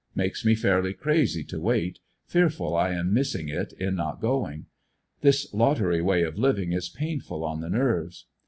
Makes me fairly crazy to wait, fearful I am miss ing it in not going. This lottery way of living is pamful on the nerves.